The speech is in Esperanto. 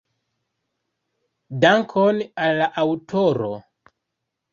Dankon al la aŭtoro.